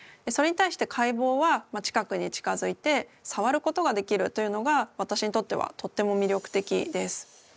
それに対して解剖は近くに近づいてさわることができるというのが私にとってはとっても魅力的です。